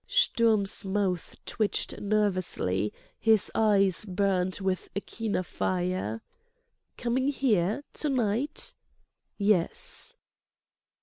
Sturm's mouth twitched nervously, his eyes burned with a keener fire. "Coming here? To night?" "Yes."